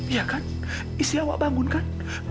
iya kan isi awak bangun kan